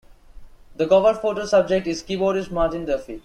The cover photo subject is keyboardist Martin Duffy.